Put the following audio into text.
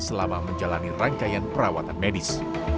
selama menjalani rangkaian perawatan medis